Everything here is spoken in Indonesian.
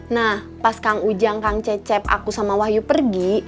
nah pas kang ujang kang cecep aku sama wahyu pergi